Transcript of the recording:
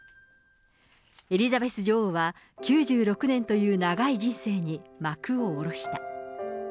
エリザベス女王は９６年という長い人生に幕を下ろした。